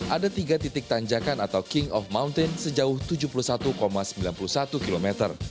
ada tiga titik tanjakan atau king of mountain sejauh tujuh puluh satu sembilan puluh satu km